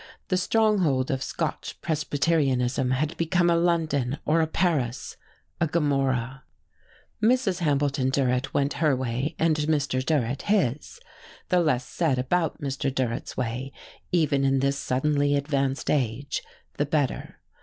The stronghold of Scotch Presbyterianism had become a London or a Paris, a Gomorrah! Mrs. Hambleton Durrett went her way, and Mr. Durrett his. The less said about Mr. Durrett's way even in this suddenly advanced age the better.